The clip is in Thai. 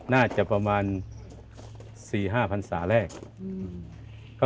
น่าจะประมาณ๔๕พันศาแรก